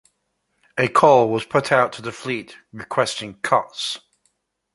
A call was put out to the fleet requesting cots.